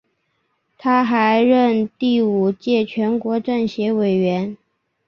他还任第五届全国政协委员。